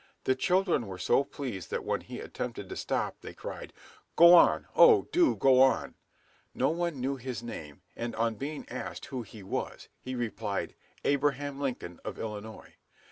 The children were so pleased that when he attempted to stop, they cried, "Go on, oh! do go on!" No one knew his name, and on being asked who he was, he replied, "Abraham Lincoln of Illinois."